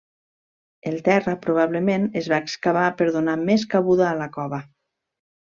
El terra probablement es va excavar per donar més cabuda a la cova.